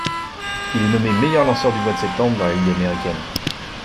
Il est nommé meilleur lanceur du mois de septembre dans la Ligue américaine.